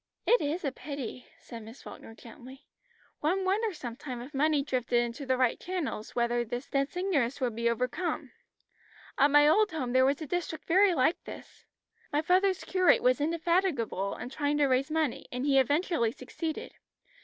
"It is a pity," said Miss Falkner gently. "One wonders sometimes if money drifted into the right channels whether this dense ignorance would be overcome. At my old home there was a district very like this. My father's curate was indefatigable in trying to raise money, and he eventually succeeded.